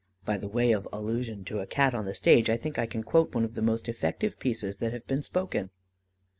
By the way of allusion to a Cat on the stage, I think I can quote one of the most effective pieces that have been spoken.